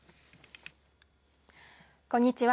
こんにちは。